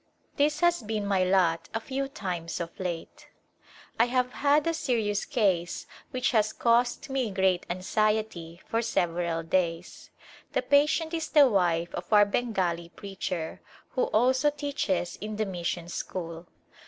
This has been my lot a few times of late. I have had a serious case which has caused me great anxiety for several days. The patient is the wife of our Bengali A Favorable Introduction preacher, who also teaches in the mission school.